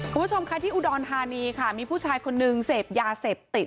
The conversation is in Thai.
คุณผู้ชมค่ะที่อุดรธานีค่ะมีผู้ชายคนนึงเสพยาเสพติด